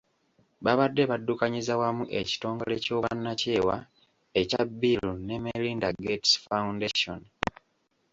Babadde baddukanyiza wamu ekitongole ky'obwannakyewa ekya Bill ne Melinda Gates Foundation .